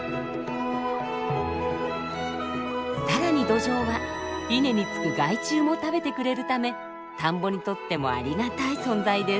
さらにドジョウは稲につく害虫も食べてくれるため田んぼにとってもありがたい存在です。